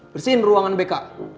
bersihin ruangan bk